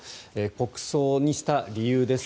国葬にした理由です。